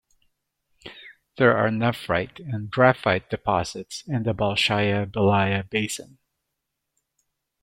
There are nephrite and graphite deposits in the Bolshaya Belaya basin.